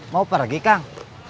mau pergi kang